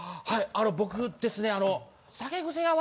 はい僕ですねあの。